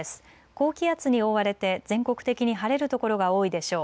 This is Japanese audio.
高気圧に覆われて全国的に晴れる所が多いでしょう。